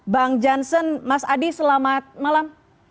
bang johnson mas adi selamat malam